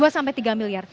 dua sampai tiga miliar